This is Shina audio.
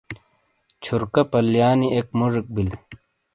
چھورکا پلیانی اک موجیک بل۔